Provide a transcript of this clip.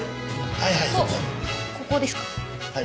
はい。